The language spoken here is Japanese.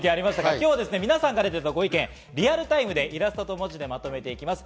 今日は皆さんからいただいたご意見をリアルタイムでイラストと文字でまとめていきます。